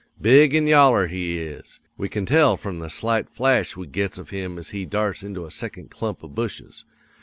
Big an' yaller he is; we can tell from the slight flash we gets of him as he darts into a second clump of bushes.